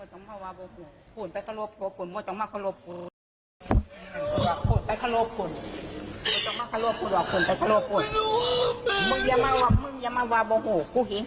หนูไม่รู้ว่าเขาจะแต่งกันหนูไม่รู้จริง